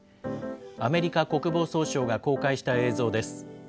アメリカ国防総省が公開した映像です。